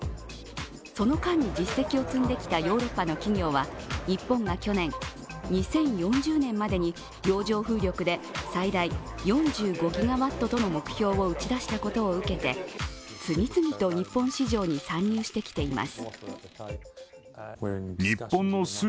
その間に実績を積んできたヨーロッパの企業は、日本が去年、２０４０年までに洋上風力で最大４５ギガワットとの目標を打ち出したことを受けて、次々と日本市場に参入してきています。